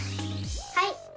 はい！